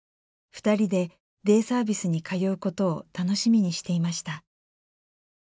２人でデイサービスに通うことを楽しみにしていました。